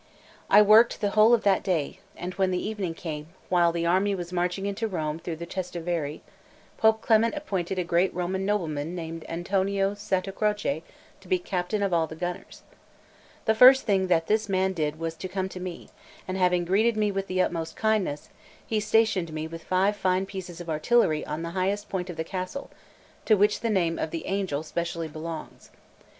I worked hard the whole of that day; and when the evening came, while the army was marching into Rome through the Trastevere, Pope Clement appointed a great Roman nobleman named Antonio Santacroce to be captain of all the gunners. The first thing this man did was to come to me, and having greeted me with the utmost kindness, he stationed me with five fine pieces of artillery on the highest point of the castle, to which the name of the Angel specially belongs.